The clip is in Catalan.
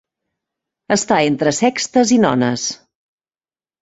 Estar entre sextes i nones.